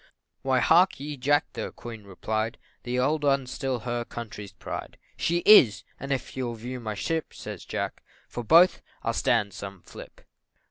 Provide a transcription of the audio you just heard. "Why, hark ye, Jack," the Queen replied, "The old 'un's still her country's pride." "She is and if you'll view my ship," Says Jack, "for both I'll stand some flip."